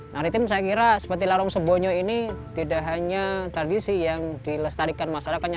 maritim saya kira seperti larung sebonyo ini tidak hanya tradisi yang dilestarikan masyarakatnya